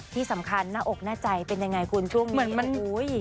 ที่สำคัญหน้าอกหน้าใจเป็นยังไงคุณช่วงนี้